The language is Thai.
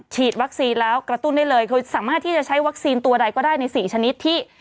ฉีดวัคซีนแล้วกระตุ้นได้เลยคือสามารถที่จะใช้วัคซีนตัวใดก็ได้ใน๔ชนิดที่